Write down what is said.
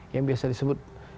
yang biasa disebut